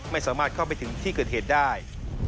ไม่สามารถเข้าไปถึงที่เกิดเหตุได้